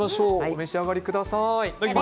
召し上がりください。